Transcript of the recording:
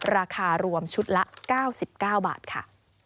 ราคารวมชุดละ๙๙บาทค่ะ